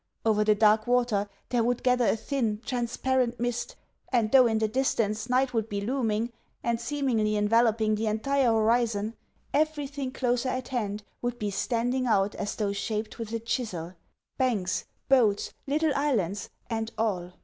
Over the dark water there would gather a thin, transparent mist; and though, in the distance, night would be looming, and seemingly enveloping the entire horizon, everything closer at hand would be standing out as though shaped with a chisel banks, boats, little islands, and all.